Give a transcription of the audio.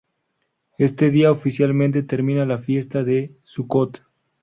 Este día oficialmente termina la fiesta de Sucot.